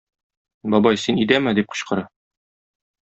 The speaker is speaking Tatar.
Бабай, син өйдәме? - дип кычкыра.